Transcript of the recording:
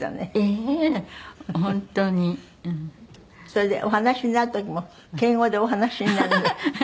それでお話しになる時も敬語でお話しになるんですって？